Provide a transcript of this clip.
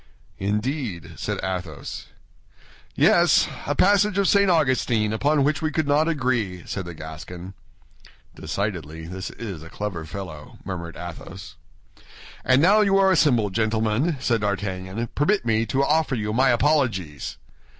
"Indeed?" said Athos. "Yes; a passage of St. Augustine, upon which we could not agree," said the Gascon. "Decidedly, this is a clever fellow," murmured Athos. "And now you are assembled, gentlemen," said D'Artagnan, "permit me to offer you my apologies."